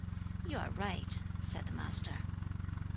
"You are right," said the Master.